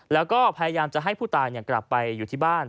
แล้วก็พยายามจะให้ผู้ตายกลับไปอยู่ที่บ้าน